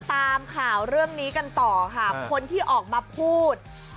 ตามข่าวเรื่องนี้กันต่อค่ะคนที่ออกมาพูด